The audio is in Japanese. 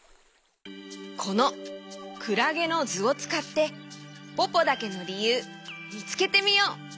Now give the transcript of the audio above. このクラゲのずをつかってポポだけのりゆうみつけてみよう！